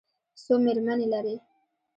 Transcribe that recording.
څو مېرمنې لري؟